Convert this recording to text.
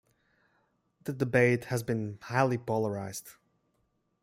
The debate has been highly polarised.